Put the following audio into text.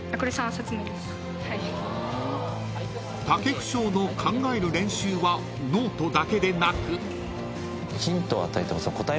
［武生商の考える練習はノートだけでなく］